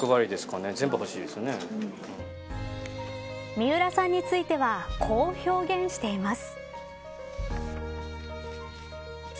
水卜さんについてはこう表現しています。